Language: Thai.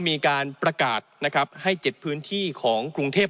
มีการประกาศนะครับให้๗พื้นที่ของกรุงเทพ